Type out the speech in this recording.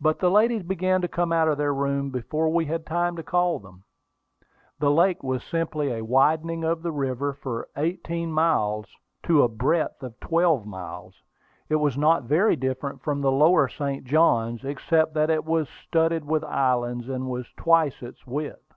But the ladies began to come out of their room before we had time to call them. The lake was simply a widening of the river for eighteen miles to a breadth of twelve miles. It was not very different from the lower St. Johns, except that it was studded with islands, and was twice its width.